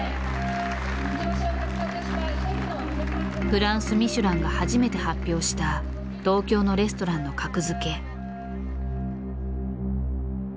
フランス・ミシュランが初めて発表した東京のレストランの格付け。